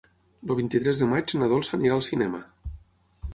El vint-i-tres de maig na Dolça anirà al cinema.